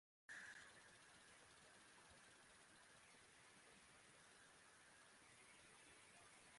The suburb is named for an estate farmed by Rev.